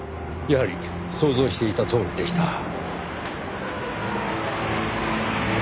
やはり想像していたとおりでした。